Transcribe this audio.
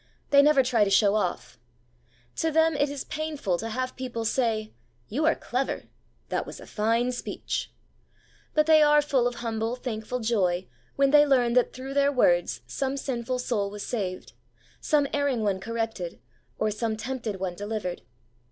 They never try to show off. To them it is painful to have people say, 'You are clever/ 'That was a fine speech.' But they are full of humble, thankful joy, when they learn that through their words some sinful soul was saved, some erring one corrected, or some tempted one delivered.